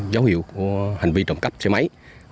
giấu hiệu của hành vi trộm cắp xe máy